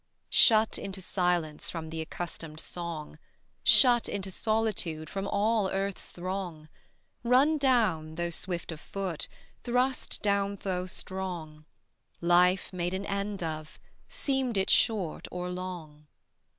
Shut into silence From the accustomed song Shut into solitude From all earth's throng, Run down though swift of foot, Thrust down though strong; Life made an end of, Seemed it short or long.